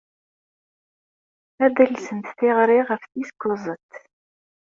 Ad d-alsent tiɣri ɣef tis kuẓet.